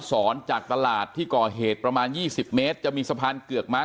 จากตลาดที่ก่อเหตุประมาณ๒๐เมตรจะมีสะพานเกือกม้า